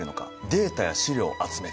データや資料を集める。